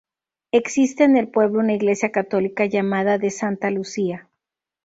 Existe en el pueblo una Iglesia católica llamada "de Santa Lucía".